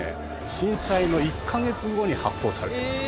震災の１カ月後に発行されています。